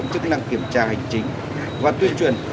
tôi kiểm tra qua cốp